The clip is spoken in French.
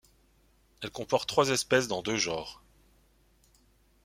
Elle comporte trois espèces dans deux genres.